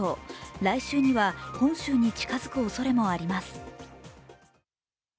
来週には本州に近づくおそれもあります。